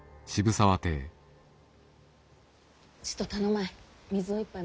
ちっと頼まい。